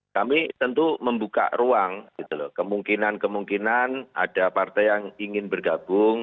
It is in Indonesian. kami tentu membuka ruang kemungkinan kemungkinan ada partai yang ingin bergabung